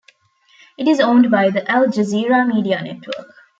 It is owned by the Al Jazeera Media Network.